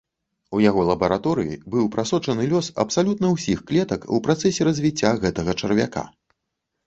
У яго лабараторыі быў прасочаны лёс абсалютна ўсіх клетак у працэсе развіцця гэтага чарвяка.